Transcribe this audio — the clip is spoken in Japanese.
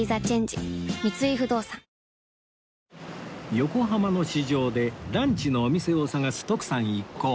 横浜の市場でランチのお店を探す徳さん一行